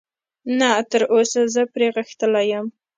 نه، تراوسه زه پرې غښتلی یم.